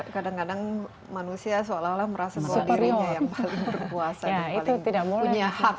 kadang kadang manusia seolah olah merasa bahwa dirinya yang paling berpuasa dan paling tidak punya hak